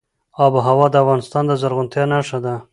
آب وهوا د افغانستان د زرغونتیا نښه ده.